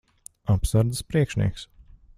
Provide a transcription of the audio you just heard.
Apsardzes priekšnieks.